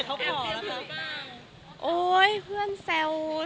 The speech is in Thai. ก็บอกว่าเซอร์ไพรส์ไปค่ะ